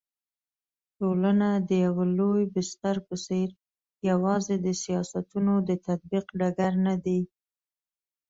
ټولنه د يوه لوی بستر په څېر يوازي د سياستونو د تطبيق ډګر ندی